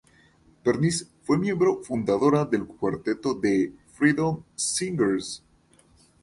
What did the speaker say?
Bernice fue miembro fundadora del cuarteto The Freedom Singers.